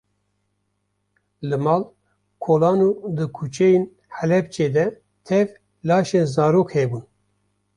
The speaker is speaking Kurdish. Li mal, kolan û di kuçeyên Helepçê de tev laşên zarok hebûn.